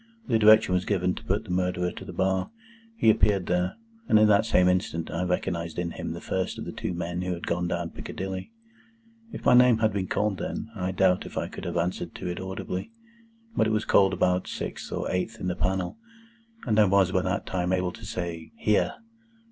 The direction was given to put the Murderer to the bar. He appeared there. And in that same instant I recognised in him the first of the two men who had gone down Piccadilly. If my name had been called then, I doubt if I could have answered to it audibly. But it was called about sixth or eighth in the panel, and I was by that time able to say, "Here!"